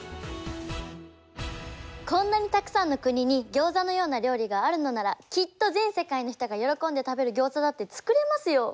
こんなにたくさんの国にギョーザのような料理があるのならきっと全世界の人が喜んで食べるギョーザだって作れますよ！